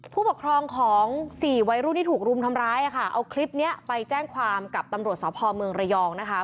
ผู้ปกครองของสี่วัยรุ่นที่ถูกรุมทำร้ายอ่ะค่ะเอาคลิปเนี้ยไปแจ้งความกับตำรวจสพเมืองระยองนะคะ